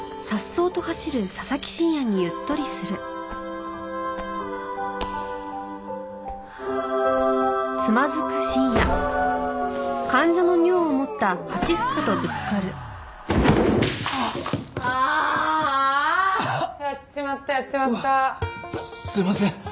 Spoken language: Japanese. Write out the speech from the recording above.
うわっすいません。